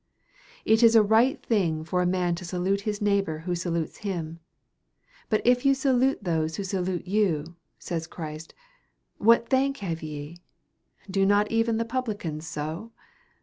It is a right thing for a man to salute his neighbor who salutes him; but if you salute those who salute you, says Christ, what thank have ye do not even the publicans so?